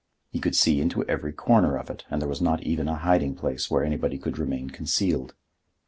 He could see into every corner of it and there was not even a hiding place where anybody could remain concealed.